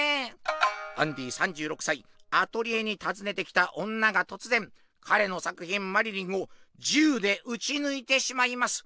アンディ３６歳アトリエに訪ねてきた女がとつぜん彼の作品「マリリン」を銃で撃ちぬいてしまいます。